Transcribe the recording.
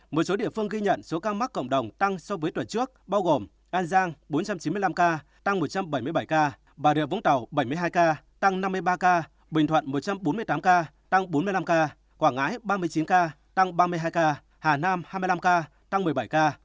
một số địa phương ghi nhận số ca mắc cộng đồng tăng so với tuần trước bao gồm an giang bốn trăm chín mươi năm ca tăng một trăm bảy mươi bảy ca bà rịa vũng tàu bảy mươi hai ca tăng năm mươi ba ca bình thuận một trăm bốn mươi tám ca tăng bốn mươi năm ca quảng ngãi ba mươi chín ca tăng ba mươi hai ca hà nam hai mươi năm ca tăng một mươi bảy ca